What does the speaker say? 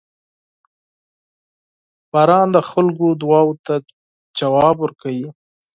• باران د خلکو دعاوو ته ځواب ورکوي.